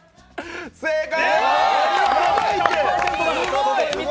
正解！